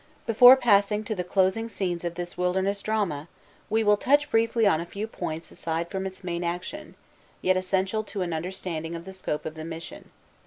Before passing to the closing scenes of this wilderness drama, we will touch briefly on a few points aside from its main action, yet essential to an understanding of the scope of the mission.